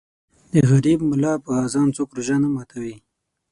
د غریب ملا په اذان څوک روژه نه ماتوي.